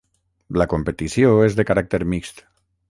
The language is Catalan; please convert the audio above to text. La competició és de caràcter mixt.